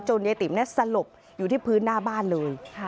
ยายติ๋มสลบอยู่ที่พื้นหน้าบ้านเลย